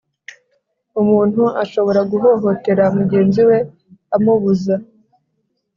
Umuntu ashobora guhohotera mugenzi we amubuza